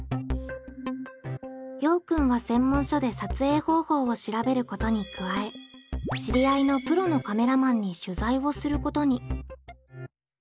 ようくんは専門書で撮影方法を調べることに加え知り合いのプロのカメラマンに取材をすることに。